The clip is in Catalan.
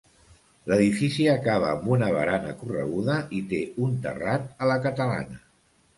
L'edifici acaba amb una barana correguda i té un terrat a la catalana.